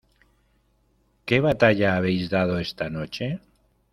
¿ qué batalla habéis dado esta noche?